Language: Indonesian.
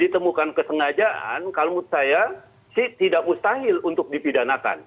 ditemukan kesengajaan kalau menurut saya sih tidak mustahil untuk dipidanakan